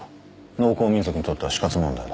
農耕民族にとっては死活問題だ。